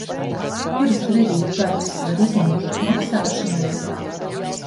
Kuras kredītkartes var izmantot maksāšanai?